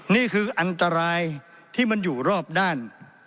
นี่คืออันตรายที่มันอยู่รอบด้าน